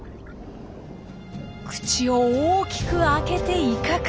口を大きく開けて威嚇！